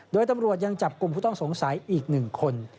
โดยตำรวจยังจับกลุ่มผู้ต้องสงสัยอีก๑คน